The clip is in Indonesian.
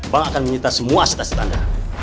bang akan menyita semua hasil hasil anda